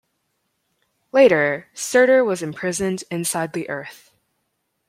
Later Surtur was imprisoned inside the Earth.